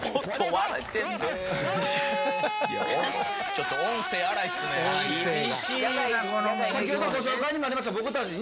ちょっと音声荒いですね。